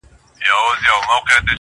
نور یې نه کول د مړو توهینونه!!